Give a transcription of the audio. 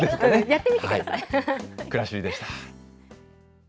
くらしりでした。